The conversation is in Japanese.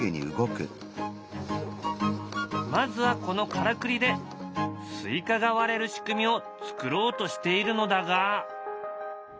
まずはこのからくりでスイカが割れる仕組みを作ろうとしているのだが。